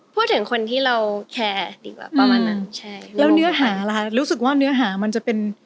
พูดถึงคนที่เราแคร์ดีกว่าประมาณนั้นใช่แล้วเนื้อหาล่ะรู้สึกว่าเนื้อหามันจะเป็น